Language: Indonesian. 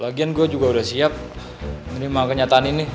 bagian gue juga udah siap menerima kenyataan ini